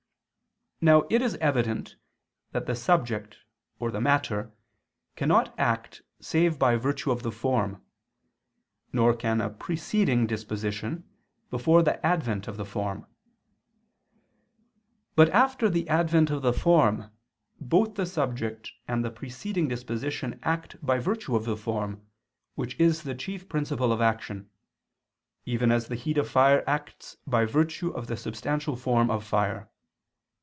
Now it is evident that the subject or the matter cannot act save by virtue of the form, nor can a preceding disposition, before the advent of the form: but after the advent of the form, both the subject and the preceding disposition act by virtue of the form, which is the chief principle of action, even as the heat of fire acts by virtue of the substantial form of fire.